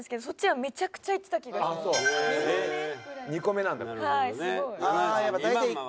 そっちはめちゃくちゃいってた気がします。